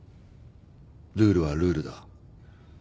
ルールはルールだ。